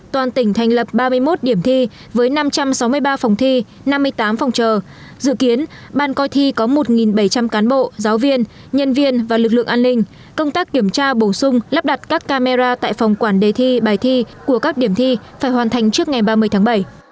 toàn tỉnh thành lập ba mươi một điểm thi với năm trăm sáu mươi ba phòng thi năm mươi tám phòng chờ dự kiến ban coi thi có một bảy trăm linh cán bộ giáo viên nhân viên và lực lượng an ninh công tác kiểm tra bổ sung lắp đặt các camera tại phòng quản đề thi bài thi của các điểm thi phải hoàn thành trước ngày ba mươi tháng bảy